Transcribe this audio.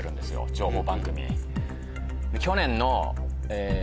情報番組。